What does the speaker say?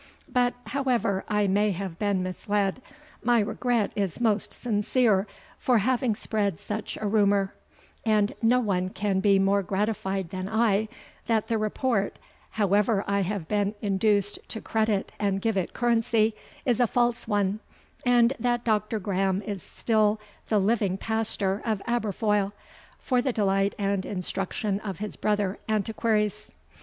But however I may have been misled, my regret is most sincere for having spread such a rumour; and no one can be more gratified than I that the report, however I have been induced to credit and give it currency, is a false one, and that Dr. Grahame is still the living pastor of Aberfoil, for the delight and instruction of his brother antiquaries.